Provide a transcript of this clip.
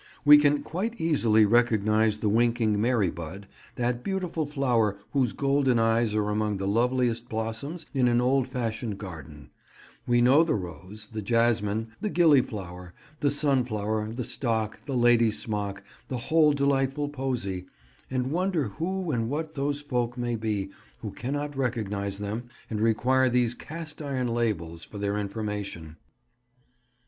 We can quite easily recognise the winking Mary bud, that beautiful flower whose golden eyes are among the loveliest blossoms in an old fashioned garden; we know the rose, the jasmine, the gillyflower, the sunflower, the stock, the ladysmock, and the whole delightful posy, and wonder who and what those folk may be who cannot recognise them, and require these cast iron labels for their information.